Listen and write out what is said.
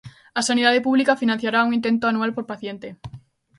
A sanidade pública financiará un intento anual por paciente.